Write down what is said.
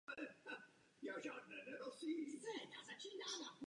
To je skutečný problém.